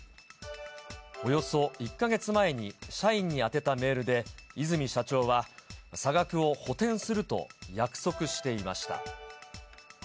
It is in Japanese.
およそ１か月前に社員に宛てたメールで、和泉社長は差額を補填すると約束していました。